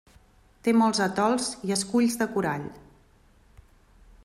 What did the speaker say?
Té molts atols i esculls de corall.